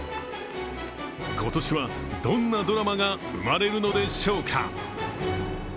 今年は、どんなドラマが生まれるのでしょうか？